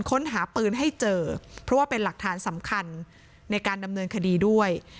ค้นหาปืนให้เจอเพราะว่าเป็นหลักฐานสำคัญในการดำเนินคดีด้วย